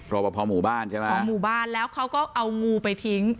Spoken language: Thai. รอปภหมู่บ้านใช่ไหมของหมู่บ้านแล้วเขาก็เอางูไปทิ้ง